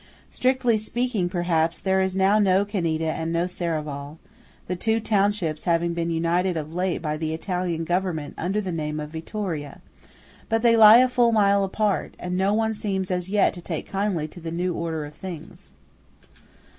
Strictly speaking, perhaps, there is now no Ceneda and no Serravalle, the two townships having been united of late by the Italian Government under the name of Vittoria; but they lie a full mile apart, and no one seems as yet to take kindly to the new order of things.